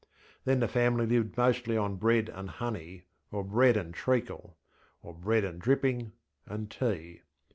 Then the family lived mostly on bread and honey, or bread and treacle, or bread and dripping, and tea.